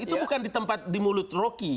itu bukan di tempat di mulut rocky